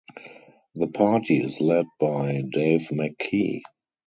The party is led by Dave McKee.